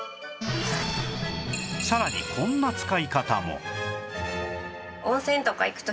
さらにこんな使い方も